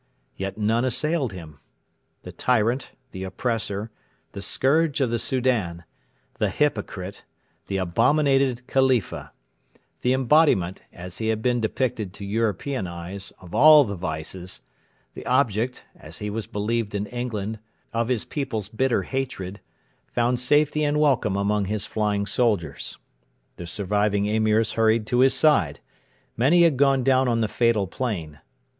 Yet none assailed him. The tyrant, the oppressor, the scourge of the Soudan, the hypocrite, the abominated Khalifa; the embodiment, as he has been depicted to European eyes, of all the vices; the object, as he was believed in England, of his people's bitter hatred, found safety and welcome among his flying soldiers. The surviving Emirs hurried to his side. Many had gone down on the fatal plain.